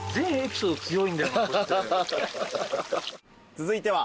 続いては？